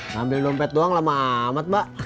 ngambil dompet doang lama amat mbak